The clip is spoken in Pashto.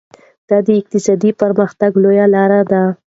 دا د اقتصادي پرمختګ لویه لار ده.